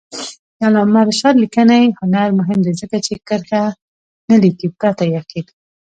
د علامه رشاد لیکنی هنر مهم دی ځکه چې کرښه نه لیکي پرته یقین.